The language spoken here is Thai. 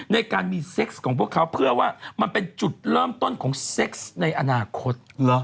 ในการมีเซ็กซ์ของพวกเขาเพื่อว่ามันเป็นจุดเริ่มต้นของเซ็กซ์ในอนาคต